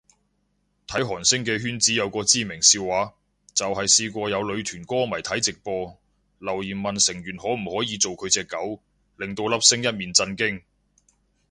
睇韓星嘅圈子有個知名笑話，就係試過有女團歌迷睇直播，留言問成員可唔可以做佢隻狗，令到粒星一面震驚